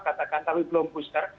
katakan tapi belum booster